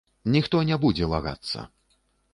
Ніхто не будзе вагацца.